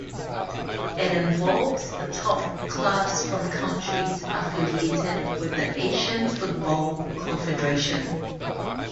It involves the top clubs from countries affiliated with the Asian Football Confederation.